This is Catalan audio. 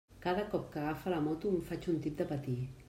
Cada cop que agafa la moto em faig un tip de patir.